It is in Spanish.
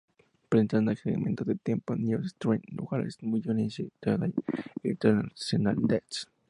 Presenta segmentos de tiempo en "News Stream", "World Business Today" e "International Desk".